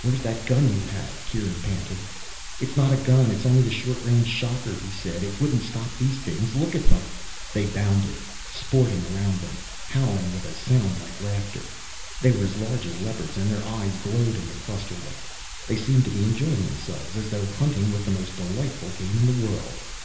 "Where's that gun you had?" Kieran panted. "It's not a gun, only a short range shocker," he said. "It wouldn't stop these things. Look at them!" They bounded, sporting around them, howling with a sound like laughter. They were as large as leopards and their eyes glowed in the cluster light. They seemed to be enjoying themselves, as though hunting was the most delightful game in the world.